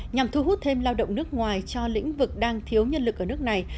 nhằm thu hút thêm lao động nước ngoài cho lĩnh vực đang thiếu nhân lực ở nước này